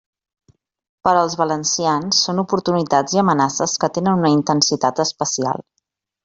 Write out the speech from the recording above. Per als valencians són oportunitats i amenaces que tenen una intensitat especial.